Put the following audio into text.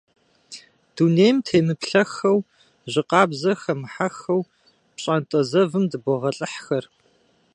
Дунейм темыплъэхэу, жьы къабзэ хэмыхьэххэу пщӀантӀэ зэвым дыбогъэлӀыххэр.